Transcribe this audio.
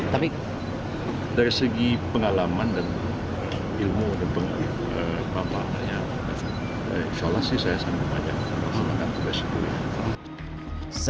tapi dari segi pengalaman dan ilmu dan pengalamannya insya allah sih saya sanggup aja